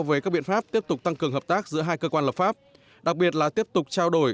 về các biện pháp tiếp tục tăng cường hợp tác giữa hai cơ quan lập pháp đặc biệt là tiếp tục trao đổi